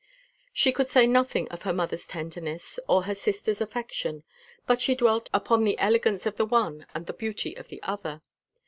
She could say nothing of her mother's tenderness or her sister's affection, but she dwelt upon the elegance of the one and the beauty of the other.